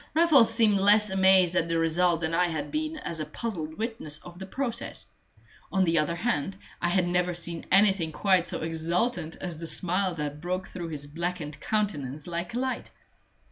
Raffles seemed less amazed at the result than I had been as a puzzled witness of the process; on the other hand, I had never seen anything quite so exultant as the smile that broke through his blackened countenance like a light.